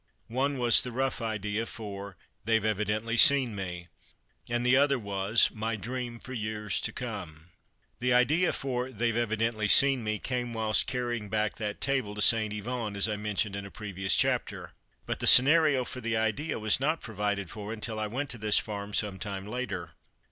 One was the rough idea for "They've evidently seen me," and the other was "My dream for years to come." The idea for "They've evidently seen me" came whilst carrying back that table to St. Yvon, as I mentioned in a previous chapter, but the scenario for the idea was not provided for until I went to this farm some time later.